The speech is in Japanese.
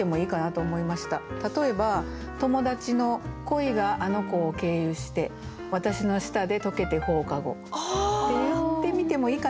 例えば「友達の恋があの子を経由してわたしの舌でとけて放課後」って言ってみてもいいかなって思いますね。